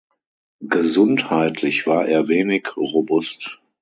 Gesundheitlich war er wenig robust.